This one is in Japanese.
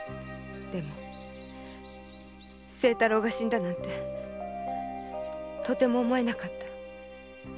でも清太郎が死んだなんてとても思えなかった。